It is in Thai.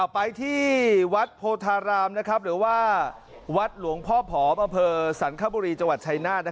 ไปที่วัดโพธารามหรือวัดหลวงพ่อพพสันคบุรีจชัยนาศ